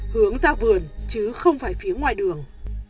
hướng ra vườn chứ không phải phía ngoài đường